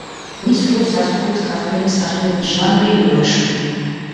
მის როლს ასრულებს ქართველი მსახიობი ჟანრი ლოლაშვილი.